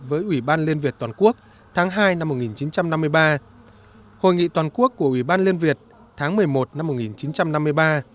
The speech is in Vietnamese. với ủy ban liên việt toàn quốc tháng hai năm một nghìn chín trăm năm mươi ba hội nghị toàn quốc của ủy ban liên việt tháng một mươi một năm một nghìn chín trăm năm mươi ba